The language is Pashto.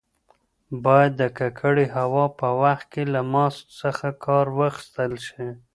باید د ککړې هوا په وخت کې له ماسک څخه کار واخیستل شي.